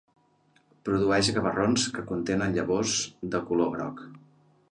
Produeix gavarrons que contenen llavors de color groc.